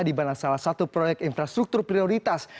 di mana salah satu proyek infrastruktur prioritas